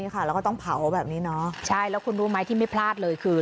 แล้วก็ต้องเผาแบบนี้เนอะใช่แล้วคุณรู้ไหมที่ไม่พลาดเลยคือ